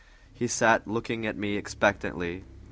He sat looking at me expectantly.